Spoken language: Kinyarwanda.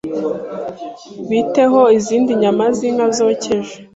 Bite ho izindi nyama zinka zokeje?